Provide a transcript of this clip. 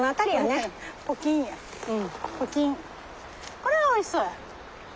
これはおいしそうや。